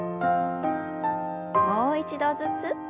もう一度ずつ。